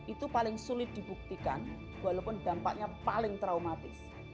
itu paling sulit dibuktikan walaupun dampaknya paling traumatis